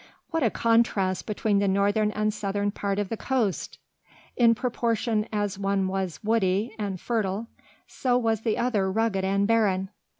What a contrast between the northern and southern part of the coast! In proportion as one was woody and fertile so was the other rugged and barren!